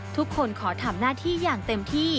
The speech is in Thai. ขอทำหน้าที่อย่างเต็มที่